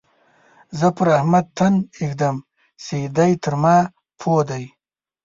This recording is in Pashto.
زه پر احمد تن اېږدم چې دی تر ما پوه دی.